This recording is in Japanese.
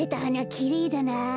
きれいだな。